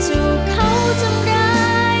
ถูกเขาทำร้ายเพราะใจเธอแบกรับมันเอง